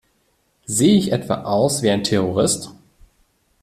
Sehe ich etwa aus wie ein Terrorist?